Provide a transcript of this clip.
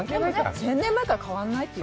１０００年前から変わらないという。